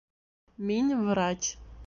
Мин врач